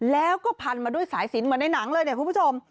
แล้วก็พันมาด้วยสายสินเหมือนในหนังเลยเนี่ยคุณผู้ชม